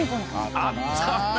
あったな！